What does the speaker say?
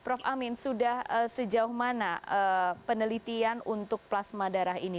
prof amin sudah sejauh mana penelitian untuk plasma darah ini